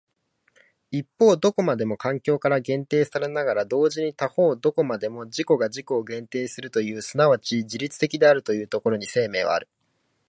一方どこまでも環境から限定されながら同時に他方どこまでも自己が自己を限定するという即ち自律的であるというところに生命はある。